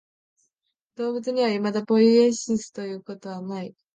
動物にはいまだポイエシスということはない。